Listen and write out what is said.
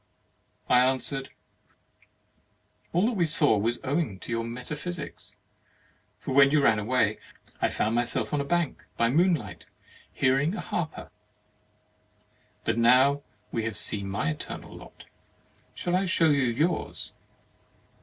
I answered: "All that we saw was owing to your metaphysics; for when you ran away, I found myself on a bank by moonlight, hearing a harper. But now we have seen my eternal lot, shall I show you yours?"